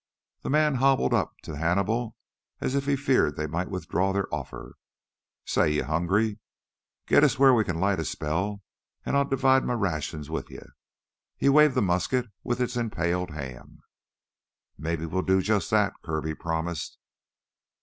The man hobbled up to Hannibal as if he feared they might withdraw their offer. "Say, you hungry? Git us wheah we can light a spell, an' I'll divide my rations with you." He waved the musket with its impaled ham. "Maybe we'll do jus' that," Kirby promised.